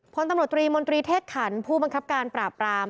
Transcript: พลตำรวจตรีมนตรีเทศขันผู้บังคับการปราบราม